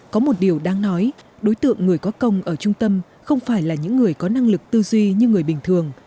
có một điều đáng nói đối tượng người có công ở trung tâm không phải là những người có năng lực tư duy như người bình thường